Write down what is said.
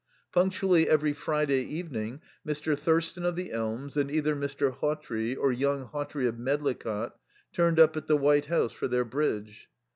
Punctually every Friday evening Mr. Thurston of the Elms, and either Mr. Hawtrey or young Hawtrey of Medlicott, turned up at the White House for their bridge.